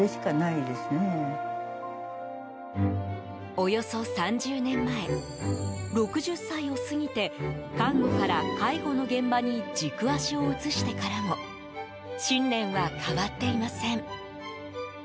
およそ３０年前６０歳を過ぎて看護から介護の現場に軸足を移してからも信念は変わっていません。